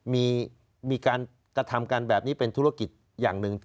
มีการกระทำกันแบบนี้เป็นธุรกิจอย่างหนึ่ง